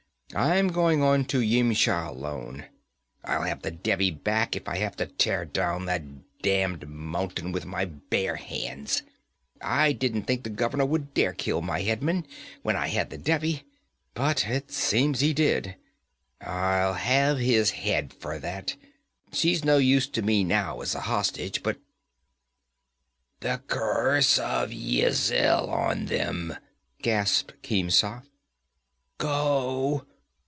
I'm going on to Yimsha alone. I'll have the Devi back if I have to tear down that damned mountain with my bare hands. I didn't think the governor would dare kill my headmen, when I had the Devi, but it seems he did. I'll have his head for that. She's no use to me now as a hostage, but ' 'The curse of Yizil on them!' gasped Khemsa. 'Go!